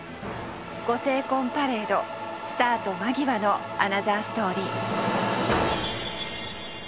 ご成婚パレードスタート間際のアナザーストーリー。